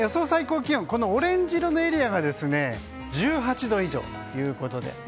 最高気温はオレンジ色のエリアが１８度以上ということで。